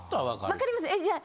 わかります？